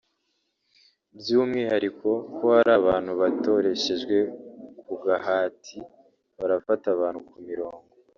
by’umwihariko ko hari abantu batoreshejwe ku gahati “barafata abantu ku mirongo